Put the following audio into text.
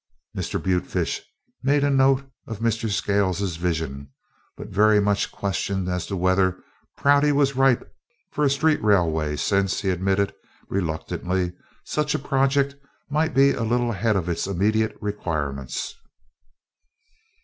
Mr. Butefish made a note of Mr. Scales's vision, but very much questioned as to whether Prouty was ripe for a street railway, since he admitted reluctantly such a project might be a little ahead of the immediate requirements.